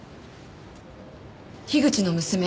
樋口の娘